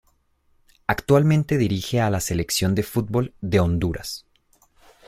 Actualmente dirige a la Selección de fútbol de Honduras.